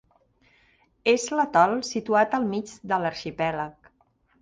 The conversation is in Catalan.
És l'atol situat al mig de l'arxipèlag.